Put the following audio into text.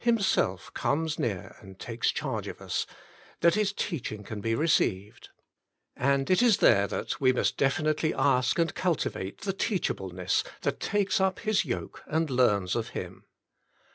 Himself Comes Near and Takes Charge of Us^ that His teaching can be received. And it is there that we must definitely ask and cultivate the teachableness that takes up His yoke and learns of Him.